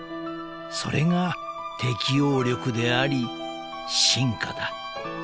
［それが適応力であり進化だ］